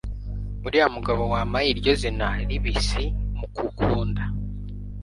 uriya mugabo wampaye iryo zina ribi si mukukunda